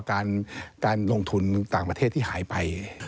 การลงทุนต่างประเทศที่หายไป